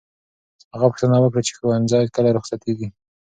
هغه پوښتنه وکړه چې ښوونځی کله رخصتېږي.